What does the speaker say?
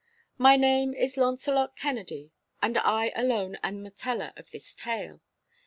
My name is Launcelot Kennedy, and I alone am the teller of this tale.